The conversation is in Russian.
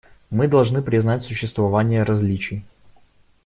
Мы должны признать существование различий.